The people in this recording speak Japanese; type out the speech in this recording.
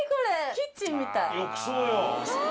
キッチンみたい。